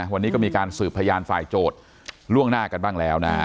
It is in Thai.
วันนี้ก็มีการสืบพยานฝ่ายโจทย์ล่วงหน้ากันบ้างแล้วนะฮะ